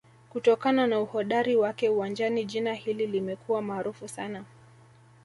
kutokana na uhodari wake uwanjani jina hili limekuwa maarufu sana